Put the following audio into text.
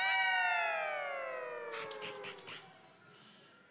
ああきたきたきた。